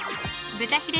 豚ヒレ